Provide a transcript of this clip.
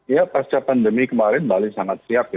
ya pasca pandemi kemarin bali sangat siap ya